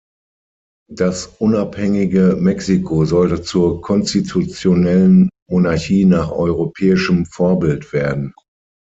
Das unabhängige Mexiko sollte zur konstitutionellen Monarchie nach europäischem Vorbild werden.